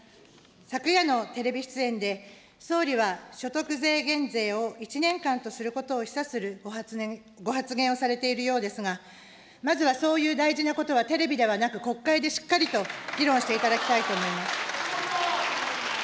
昨夜のテレビ出演で、総理は所得税減税を１年間とすることを示唆するご発言をされているようですが、まずはそういう大事なことはテレビではなく、国会でしっかりと議論していただきたいと思います。